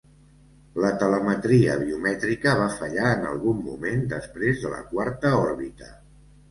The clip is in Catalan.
La telemetria biomètrica va fallar en algun moment després de la quarta òrbita.